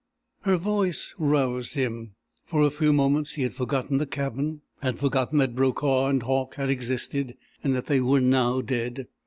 Her voice roused him. For a few moments he had forgotten the cabin, had forgotten that Brokaw and Hauck had existed, and that they were now dead.